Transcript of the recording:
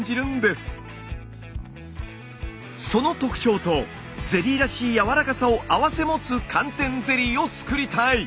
その特徴とゼリーらしいやわらかさを併せ持つ寒天ゼリーを作りたい！